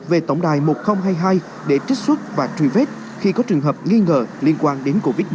về tổng đài một nghìn hai mươi hai để trích xuất và truy vết khi có trường hợp nghi ngờ liên quan đến covid một mươi chín